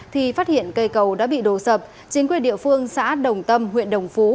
thì phát hiện cây cầu đã bị đổ sập chính quyền địa phương xã đồng tâm huyện đồng phú